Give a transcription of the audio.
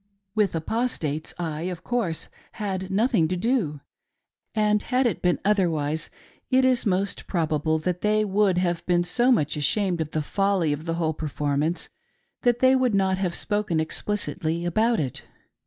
With apostates, I, of course, had nothing to do ; and, had it been otherwise, it is most prob able that they would have been so much ashamed of the folly of the whole performance that they would not have spoken explicitly about it.